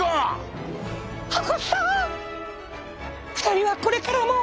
２人はこれからも」。